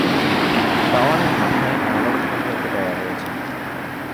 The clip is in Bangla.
টাওয়ারের মাথায় এনালগ ফোন রেখে দেওয়া হয়েছে।